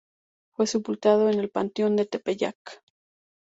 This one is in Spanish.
Fue sepultado en el Panteón del Tepeyac.